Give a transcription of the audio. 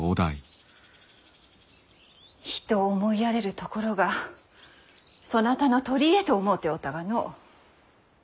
人を思いやれるところがそなたの取り柄と思うておったがの。